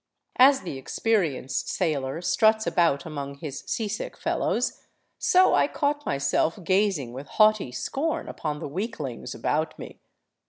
As the experienced sailor struts about among his seasick fellows, so I caught myself gazing with haughty scorn upon the weaklings about me.